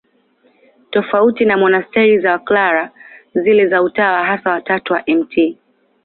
Tofauti na monasteri za Waklara, zile za Utawa Hasa wa Tatu wa Mt.